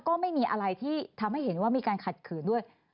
ก็ไม่มีอะไรที่ทำให้เห็นว่ามีการขัดขืนด้วย